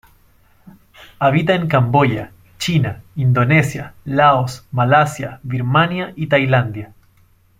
Habita en Camboya, China, Indonesia, Laos, Malasia, Birmania y Tailandia.